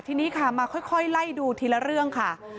ทีนี้ค่ะมาค่อยไล่ดูทีละเรื่องค่ะ